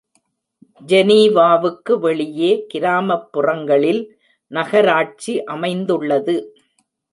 ஜெனீவாவுக்கு வெளியே கிராமப்புறங்களில் நகராட்சி அமைந்துள்ளது.